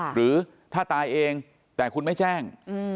หรือถ้าตายเองแต่คุณไม่แจ้ง